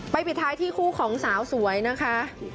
ปิดท้ายที่คู่ของสาวสวยนะคะ